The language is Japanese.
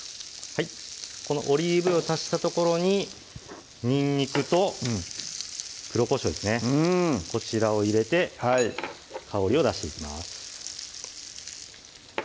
このオリーブ油を足した所ににんにくと黒こしょうですねこちらを入れて香りを出していきます